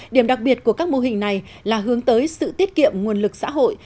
điểm đặc biệt của các mô hình này là hướng tới sự tiết kiệm nguồn lực xã hội